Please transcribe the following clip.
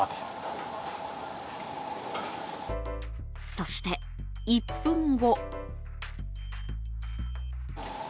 そして、１分後。